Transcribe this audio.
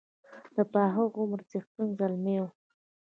د پاخه عمر څښتن زلمی وو.